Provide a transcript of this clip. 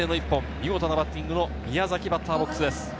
見事なバッティングの宮崎、バッターボックスです。